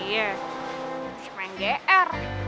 iya cuma yang gr